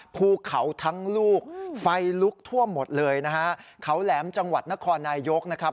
ภูเขาทั้งลูกไฟลุกท่วมหมดเลยนะฮะเขาแหลมจังหวัดนครนายยกนะครับ